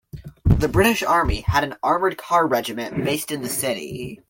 The British Army had an armored car regiment based in the city.